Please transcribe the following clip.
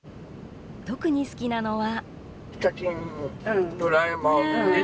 特に好きなのは。